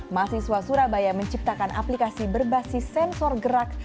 mahasiswa surabaya menciptakan aplikasi berbasis sensor gerak